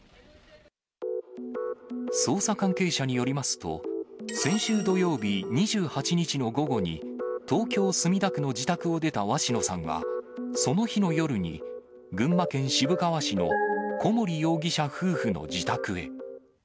捜査関係者によりますと、先週土曜日２８日の午後に、東京・墨田区の自宅を出た鷲野さんは、その日の夜に群馬県渋川市の小森容疑者夫婦の自宅へ。